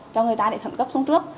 cho người ta để thuận cấp xuống trước